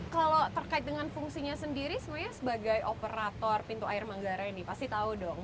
kalau terkait dengan fungsinya sendiri sebenarnya sebagai operator pintu air manggarai ini pasti tahu dong